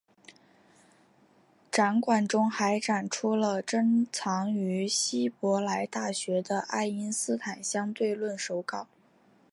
展馆中还展出了珍藏于希伯来大学的爱因斯坦相对论手稿。